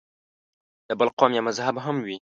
د بل قوم یا مذهب هم وي.